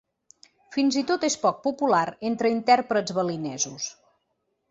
Fins i tot és poc popular entre intèrprets balinesos.